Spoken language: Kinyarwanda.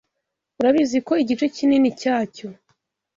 Urabizi ko igice kinini cyacyo.